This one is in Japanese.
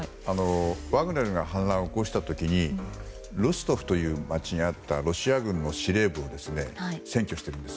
ワグネルが反乱を起こした時にロストフという町にあったロシア軍の司令部を占拠しているんです。